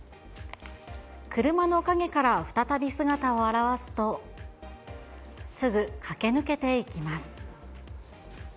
車の陰から再び姿を現すと、すぐ駆け抜けていきます。